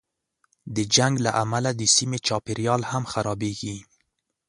د جنګ له امله د سیمې چاپېریال هم خرابېږي.